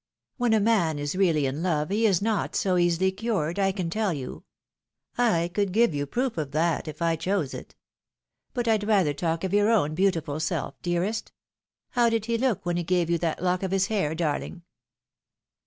When a man is really in love, he is not so easily cured, I can tell you. I could give you proof of that if I choose it. But Pd rather talk of your own beautiful self, dearest. How did he look when he gave you that lock of his hair, darhng